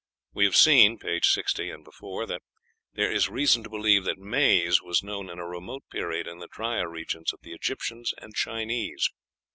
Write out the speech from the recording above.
We have seen (p. 60, ante) that there is reason to believe that maize was known in a remote period in the drier regions of the Egyptians and Chinese.